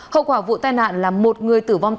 hậu quả vụ tai nạn là một người tử vong